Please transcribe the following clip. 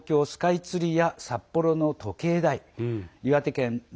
昨夜は東京スカイツリーや札幌の時計台